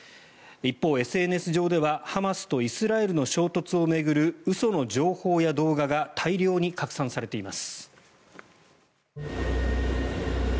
一方、ＳＮＳ上ではハマスとイスラエルの衝突を巡る嘘の情報や動画が大量に拡散されています。